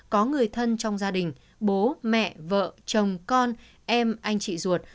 có người thân trong gia đình bố mẹ vợ chồng con em anh chị ruột